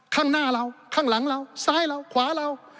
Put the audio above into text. ข้างหน้าเราข้างหลังเราซ้ายเราขวาเรา